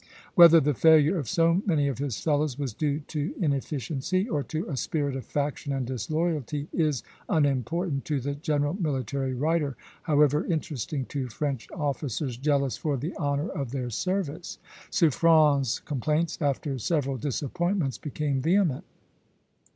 Whether the failure of so many of his fellows was due to inefficiency, or to a spirit of faction and disloyalty, is unimportant to the general military writer, however interesting to French officers jealous for the honor of their service. Suffren's complaints, after several disappointments, became vehement.